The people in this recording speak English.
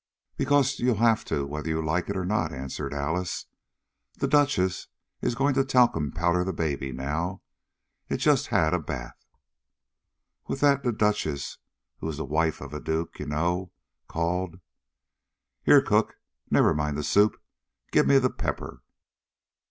"Because you'll have to whether you like it or not," answered Alice. "The Duchess is going to talcum powder the baby now it's just had a bath." With that the duchess, who is the wife of a duke, you know, called: "Here, cook! Never mind the soup. Give me the pepper!"